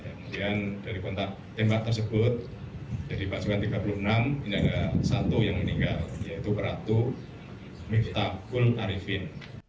kemudian dari kontak tembak tersebut jadi pasukan tiga puluh enam ini ada satu yang meninggal yaitu peratu miftahul arifin